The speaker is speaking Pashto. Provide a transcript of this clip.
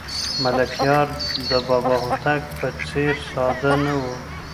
ملکیار د بابا هوتک په څېر ساده نه و.